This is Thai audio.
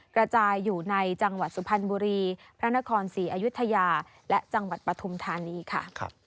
กระจายอยู่ในจังหวัดสุพรรณบุรีพระนครศรีอยุธยาและจังหวัดปฐุมธานีค่ะ